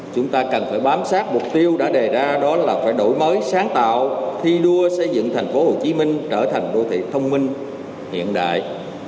chúng ta cần phải bám sát mục tiêu đã đề ra đó là phải đổi mới sáng tạo thi đua xây dựng tp hcm trở thành đô thị thông minh hiện đại